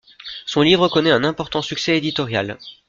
Son livre connaît un important succès éditorial.